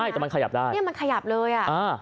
ไม่แต่มันขยับได้มันขยับเลย